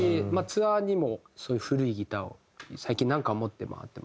ツアーにもそういう古いギターを最近なんかは持って回ってますね。